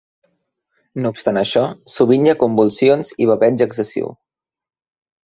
No obstant això, sovint hi ha convulsions i baveig excessiu.